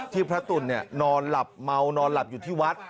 พระตุ๋นนอนหลับเมานอนหลับอยู่ที่วัด